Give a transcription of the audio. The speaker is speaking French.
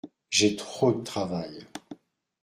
J’ai trop de travail.